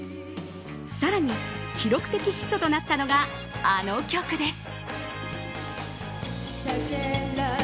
更に、記録的ヒットとなったのがあの曲です。